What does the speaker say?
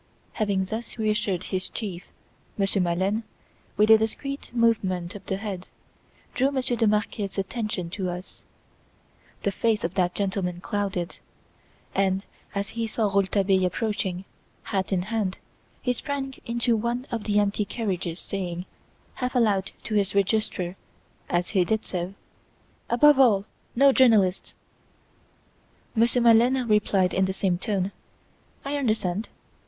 Having thus reassured his chief, Monsieur Maleine, with a discreet movement of the head, drew Monsieur de Marquet's attention to us. The face of that gentleman clouded, and, as he saw Rouletabille approaching, hat in hand, he sprang into one of the empty carriages saying, half aloud to his Registrar, as he did so, "Above all, no journalists!" Monsieur Maleine replied in the same tone, "I understand!"